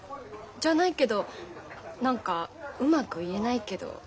じゃないけど何かうまく言えないけど何か嫌い。